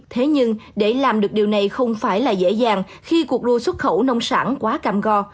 thế nhưng để làm được điều này không phải là dễ dàng khi cuộc đua xuất khẩu nông sản quá cam go